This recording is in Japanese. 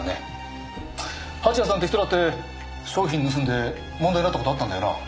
蜂矢さんって人だって商品盗んで問題になった事あったんだよな？